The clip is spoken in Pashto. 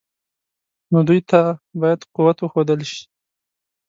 نو دوی ته باید قوت وښودل شي.